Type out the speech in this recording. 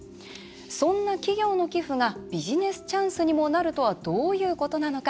そんな企業の寄付がビジネスチャンスにもなるとはどういうことなのか。